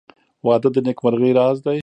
• واده د نېکمرغۍ راز دی.